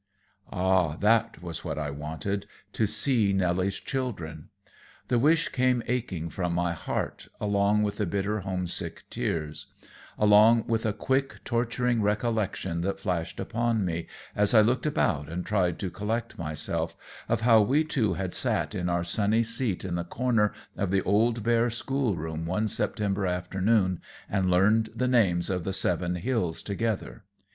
Ah, that was what I wanted, to see Nelly's children! The wish came aching from my heart along with the bitter homesick tears; along with a quick, torturing recollection that flashed upon me, as I looked about and tried to collect myself, of how we two had sat in our sunny seat in the corner of the old bare school room one September afternoon and learned the names of the seven hills together.